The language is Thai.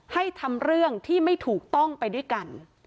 ให้ทำเรื่องที่ไม่ถูกต้องไปด้วยกัน